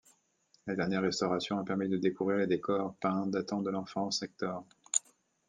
La dernière restauration a permis de découvrir les décors peints datant de l'enfance d'Hector.